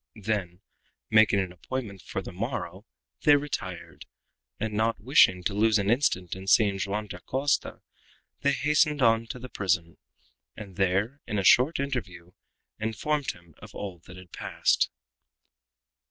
Then, making an appointment for the morrow, they retired, and not wishing to lose an instant in seeing Joam Dacosta, they hastened on to the prison, and there, in a short interview, informed him of all that had passed.